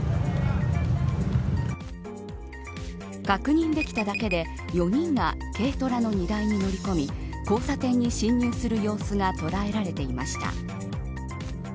確認できただけで４人が軽トラの荷台に乗り込み交差点に進入する様子が捉えられていました。